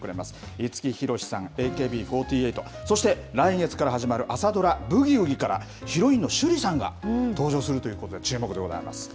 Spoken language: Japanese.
五木ひろしさん、ＡＫＢ４８、そして、来月から始まる朝ドラ、ブギウギからヒロインの趣里さんが登場するということで、注目でございます。